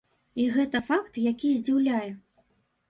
І гэта факт, які здзіўляе.